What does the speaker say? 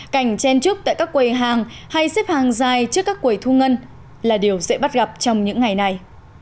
cảnh chen trúc tại các quầy hàng hay xếp hàng dài trước các quầy thu ngân là điều dễ bắt gặp trong những ngày này